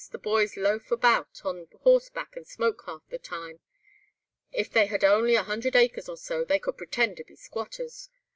The boys loaf about on horseback and smoke half the time. If they had only a hundred acres or so, they couldn't pretend to be squatters.